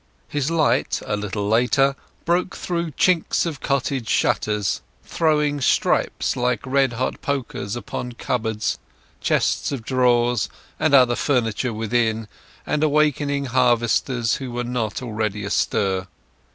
His light, a little later, broke though chinks of cottage shutters, throwing stripes like red hot pokers upon cupboards, chests of drawers, and other furniture within; and awakening harvesters who were not already astir.